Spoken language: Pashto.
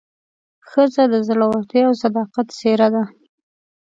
ښځه د زړورتیا او صداقت څېره ده.